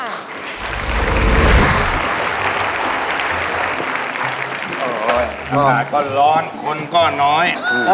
โอ้ยราคาก็ร้อนคนก็น้อย